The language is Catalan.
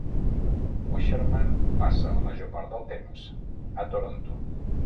Wischermann passa la major part del temps a Toronto.